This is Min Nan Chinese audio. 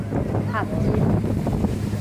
合任